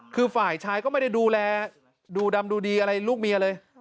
คือฝ่ายชายก็ไม่ได้ดูแลดูดำดูดีอะไรลูกเมียเลย